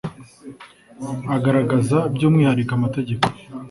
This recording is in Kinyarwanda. agaragaza by umwihariko amategeko